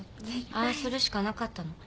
ああするしかなかったの。